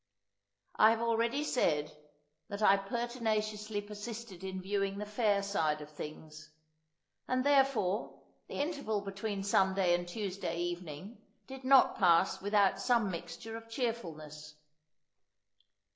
I have already said, that I pertinaciously persisted in viewing the fair side of things; and therefore the interval between Sunday and Tuesday evening, did not pass without some mixture of cheerfulness.